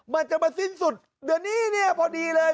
มันจะมาสิ้นสุดเดือนนี้เนี่ยพอดีเลย